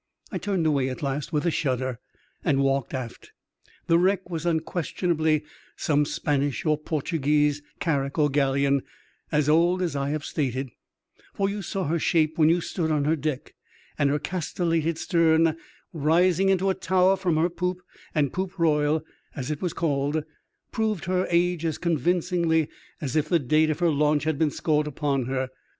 I turned away at last, with a shudder, and walked aft. The wreck was unquestionably some Spanish or Portuguese carrack or galleon, as old as I have stated, for you saw her shape when you stood on her deck, and her castellated stern rising into a tower from her poop and poop royal, as it was called, proved her age as con vincingly as if the date of her launch had been scored upon her.